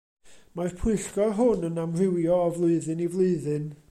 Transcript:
Mae'r Pwyllgor hwn yn amrywio o flwyddyn i flwyddyn.